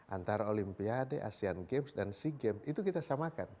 antara olimpiade asean games dan sea games itu kita samakan